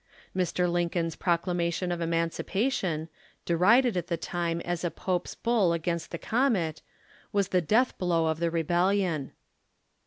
Mr. Lincoln's proclamation of emancipation, derided at the time as a Pope's Bull against the comet, was the death blow of the rebellion.